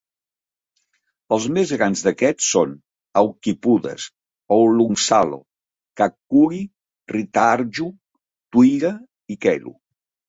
Els més grans d'aquests són Haukipudas, Oulunsalo, Kaakkuri, Ritaharju, Tuira i Kello.